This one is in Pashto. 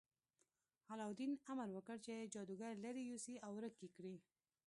علاوالدین امر وکړ چې جادوګر لرې یوسي او ورک یې کړي.